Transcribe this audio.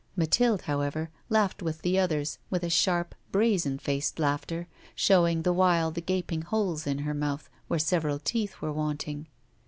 Mathilde, however, laughed with the others, with a sharp, brazen faced laughter, showing the while the gaping holes in her mouth, where several teeth were wanting.